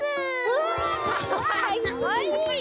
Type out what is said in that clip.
うわかわいい！